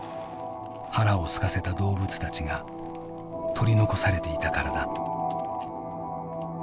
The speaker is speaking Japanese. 腹をすかせた動物たちが取り残されていたからだ。